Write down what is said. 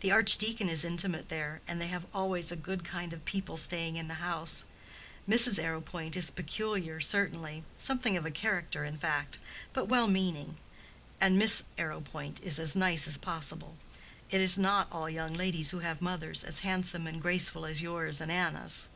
The archdeacon is intimate there, and they have always a good kind of people staying in the house. Mrs. Arrowpoint is peculiar, certainly; something of a caricature, in fact; but well meaning. And Miss Arrowpoint is as nice as possible. It is not all young ladies who have mothers as handsome and graceful as yours and Anna's."